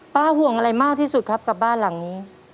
ห่วงอะไรมากที่สุดครับกับบ้านหลังนี้